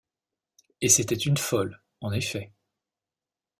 Et c’était une folle, en effet.